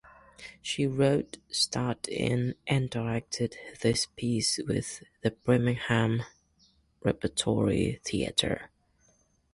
She wrote, starred in and directed this piece with the Birmingham Repertory Theatre.